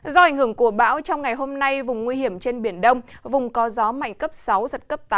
do ảnh hưởng của bão trong ngày hôm nay vùng nguy hiểm trên biển đông vùng có gió mạnh cấp sáu giật cấp tám